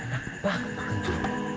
enak banget makan jeruk